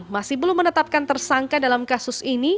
masih belum menetapkan tersangka dalam kasus ini